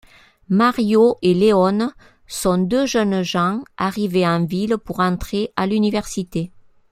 Mario et Leone sont deux jeunes gens arrivés en ville pour entrer à l'Université.